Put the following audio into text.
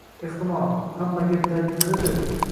Ehtimol, hamma gap tarjimadadir